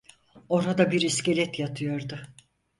Orada bir iskelet yatıyordu.